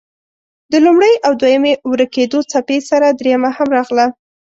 د لومړۍ او دویمې ورکېدو څپې سره دريمه هم راغله.